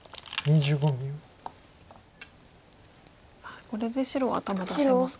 これで白は頭出せますか？